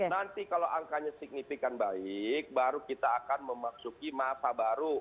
nanti kalau angkanya signifikan baik baru kita akan memasuki masa baru